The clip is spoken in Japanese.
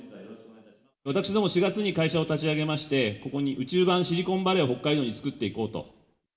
私ども、４月に会社を立ち上げまして、ここに宇宙版シリコンバレーを北海道に作っていこうと。